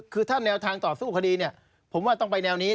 คือถ้าแนวทางต่อสู้คดีเนี่ยผมว่าต้องไปแนวนี้